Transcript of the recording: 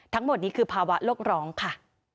ทั้งหมดนี้คือภาวะโลกร้องค่ะ